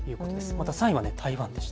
また３位は台湾でした。